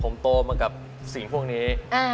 ผมโตมากับสิ่งพวกนี้